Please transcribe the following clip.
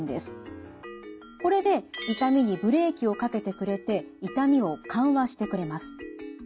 これで痛みにブレーキをかけてくれて痛みを緩和してくれます。